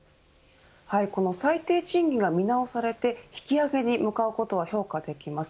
この最低賃金が見直されて引き上げに向かうことは評価できます。